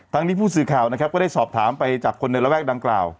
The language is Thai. นี้ผู้สื่อข่าวนะครับก็ได้สอบถามไปจากคนในระแวกดังกล่าว